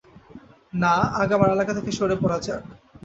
না, আগে আমার এলাকা থেকে সরে পড়া যাক।